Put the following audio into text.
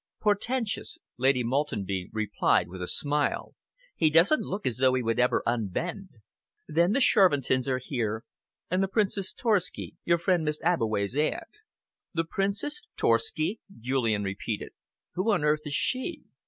"Portentous," Lady Maltenby replied; with a smile. "He doesn't look as though he would ever unbend. Then the Shervintons are here, and the Princess Torski your friend Miss Abbeway's aunt." "The Princess Torski?" Julian repeated. "Who on earth is she?"